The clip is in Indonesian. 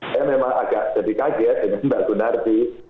saya memang agak jadi kaget dengan mbak gunardi